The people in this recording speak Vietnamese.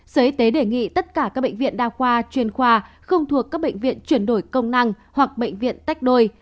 sở y tế đề nghị tất cả các bệnh viện đa khoa chuyên khoa không thuộc các bệnh viện chuyển đổi công năng hoặc bệnh viện tách đôi